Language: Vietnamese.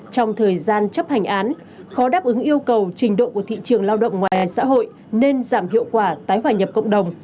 trong thời gian chấp hành án khó đáp ứng yêu cầu trình độ của thị trường lao động ngoài xã hội nên giảm hiệu quả tái hòa nhập cộng đồng